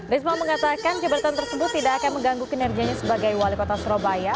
risma mengatakan jabatan tersebut tidak akan mengganggu kinerjanya sebagai wali kota surabaya